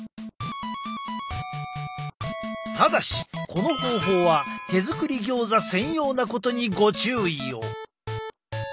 ただしこの方法は手作りギョーザ専用なことにご注意を。